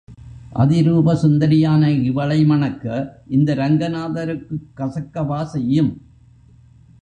அதிரூப சுந்தரியான இவளை மணக்க இந்த ரங்கநாதருக்குக் கசக்கவா செய்யும்?